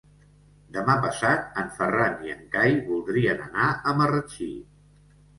Demà passat en Ferran i en Cai voldrien anar a Marratxí.